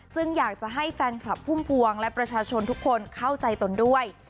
ซึ่งอยากจะให้แฟนคลับพุ่มพวงและประชาชนทุกคนเข้าใจตนด้วย